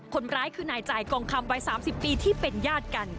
คนร้ายคือนายจ่ายกองคำวัย๓๐ปีที่เป็นญาติกัน